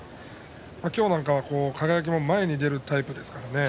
今日なんか、輝も前に出るタイプですからね